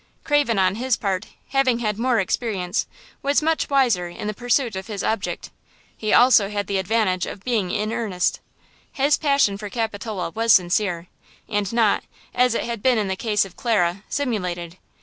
Crave, on his part, having had more experience, was much wiser in the pursuit of his object. He also had the advantage of being in earnest. His passion for Capitola was sincere, and not, as it had been in the case of Clara, simulated.